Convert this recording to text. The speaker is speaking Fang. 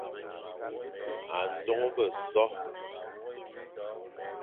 A ndôghe so,